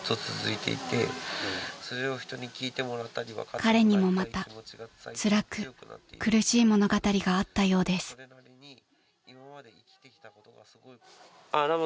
［彼にもまたつらく苦しい物語があったようです］えっ？